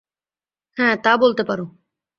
হ্যাঁ, তা বলতে পারো।